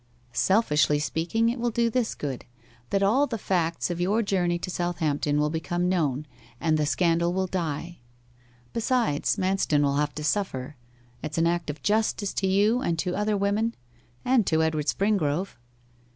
'Selfishly speaking, it will do this good that all the facts of your journey to Southampton will become known, and the scandal will die. Besides, Manston will have to suffer it's an act of justice to you and to other women, and to Edward Springrove.